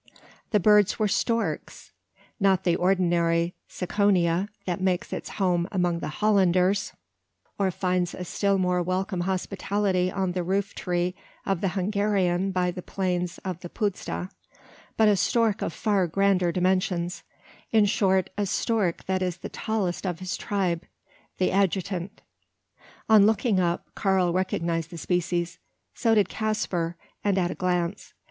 The birds were storks. Not the ordinary Ciconia, that makes its home among the Hollanders or finds a still more welcome hospitality on the roof tree of the Hungarian by the plains of the Puszta but a stork of far grander dimensions; in short, a stork that is the tallest of his tribe the Adjutant. On looking up, Karl recognised the species; so did Caspar, and at a glance.